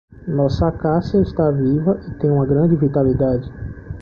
Nossa acácia está viva e tem uma grande vitalidade.